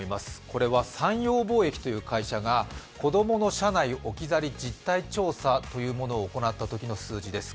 これは三洋貿易という会社が子供の車内置き去り実態調査を行ったときの数字です。